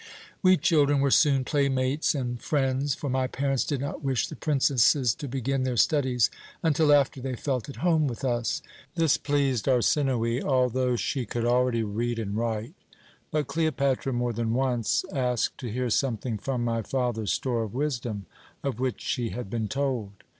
"We children were soon playmates and friends, for my parents did not wish the princesses to begin their studies until after they felt at home with us. This pleased Arsinoë, although she could already read and write; but Cleopatra more than once asked to hear something from my father's store of wisdom, of which she had been told.